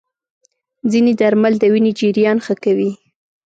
ځینې درمل د وینې جریان ښه کوي.